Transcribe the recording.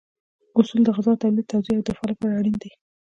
اصول د غذا تولید، توزیع او دفاع لپاره اړین دي.